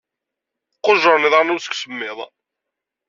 Qujjren iḍaṛṛen-iw seg usemmiḍ.